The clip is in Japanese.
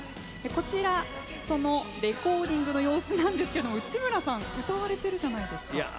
こちら、そのレコーディングの様子なんですが内村さん歌われてるじゃないですか。